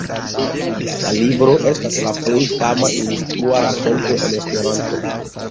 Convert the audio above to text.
La libro estas la plej fama instrua rakonto en Esperanto.